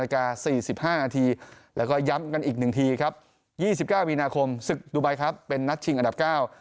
ครับยี่สิบเก้ามีนาคมศึกดูไบครับเป็นนัดชิงอันดับเก้า